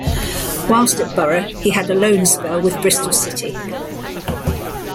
Whilst at Boro he had a loan spell with Bristol City.